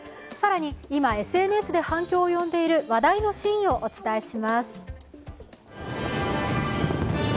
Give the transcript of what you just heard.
更に、今、ＳＮＳで反響を呼んでいる話題のシーンをお伝えします。